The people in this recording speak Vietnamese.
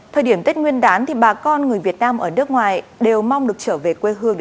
thời điểm tết nguyên đán thì bà con người việt nam ở nước ngoài đều mong được trở về quê hương